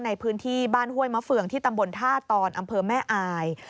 ในพื้นที่บ้านห้วยมะเฟืองที่ตำบลท่าตอนอำเภอแม่อาย